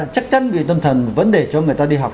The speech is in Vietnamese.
chắc chắn bị tâm thần vẫn để cho người ta đi học